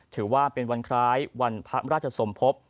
ถือว่าเป็นวันคล้ายวันพระราชสมภพ